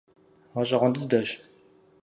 Гъэщӏэгъуэн дыдэщ.